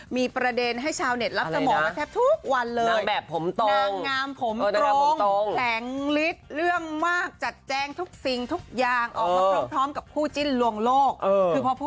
มีประเด็นให้ชาวเน็ตรับสมองมาแทบทุกวันเลย